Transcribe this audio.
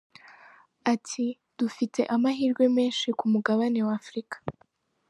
Ati “Dufite amahirwe menshi ku mugabane wa Afurika.